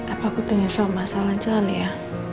apa aku tanya soal masalah cok ali ya